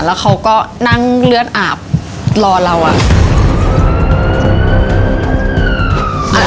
แล้วเขาก็นั่งเลือดอาบรอเราอะ